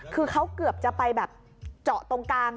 คือเขาเกือบจะไปแบบเจาะตรงกลาง